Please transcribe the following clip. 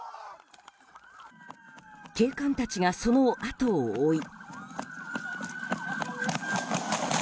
警官たちがそのあとを追い。